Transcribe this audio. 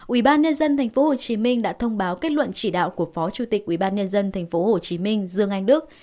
ubnd tp hcm đã thông báo kết luận chỉ đạo của phó chủ tịch ubnd tp hcm dương anh đức